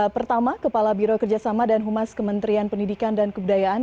pertama kepala biro kerjasama dan humas kementerian pendidikan dan kebudayaan